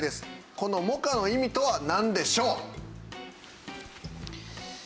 この「モカ」の意味とはなんでしょう？